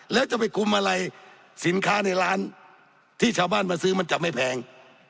แล้วจะไปคุมอะไรสินค้าในร้านที่ชาวบ้านมาซื้อมันจะไม่แพง